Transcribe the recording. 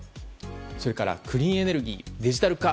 それからクリーンエネルギーデジタル化